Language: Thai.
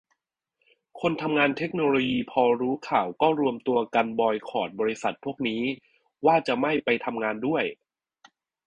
คนทำงานเทคโนโลยีพอรู้ข่าวก็รวมตัวกันบอยคอตบริษัทพวกนี้ ว่าจะไม่ไปทำงานด้วย